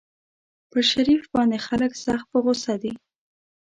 پر شریف باندې خلک سخت په غوسه دي.